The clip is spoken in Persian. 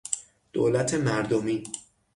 دولت مردمی